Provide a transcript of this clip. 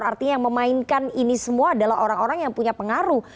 artinya yang memainkan ini semua adalah orang orang yang punya pengaruh